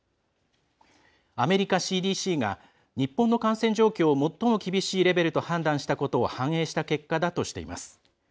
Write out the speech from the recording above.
アメリカＣＤＣが日本の感染状況を最も厳しいレベルと判断したことを反映した結果だとしています。